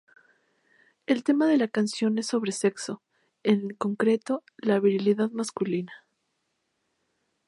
El tema de la canción es sobre sexo, en concreto, la virilidad masculina.